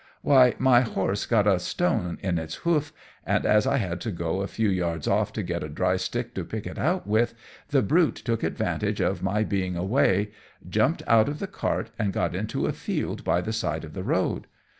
"Why, my horse got a stone in its hoof, and as I had to go a few yards off to get a dry stick to pick it out with, the brute took advantage of my being away, jumped out of the cart and got into a field by the side of the road.